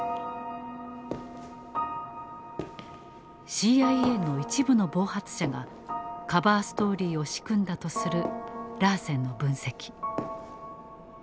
ＣＩＡの一部の暴発者が「カバーストーリー」を仕組んだとするラーセンの分析。